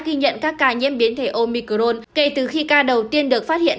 ghi nhận các ca nhiễm biến thể omicron kể từ khi ca đầu tiên được phát hiện